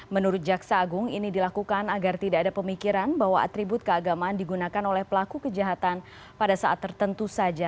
menurut jaksa agung ini dilakukan agar tidak ada pemikiran bahwa atribut keagamaan digunakan oleh pelaku kejahatan pada saat tertentu saja